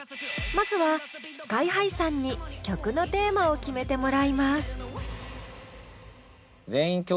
まずはＳＫＹ−ＨＩさんに曲のテーマを決めてもらいます。